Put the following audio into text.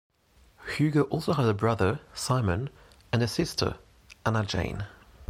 Hugo also has a brother, Simon, and a sister, Anna Jane.